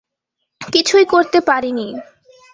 কিছুই করতে পারি নি।